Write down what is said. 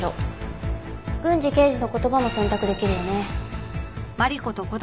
郡司刑事の言葉も選択できるよね。